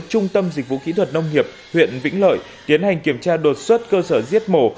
trung tâm dịch vụ kỹ thuật nông nghiệp huyện vĩnh lợi tiến hành kiểm tra đột xuất cơ sở giết mổ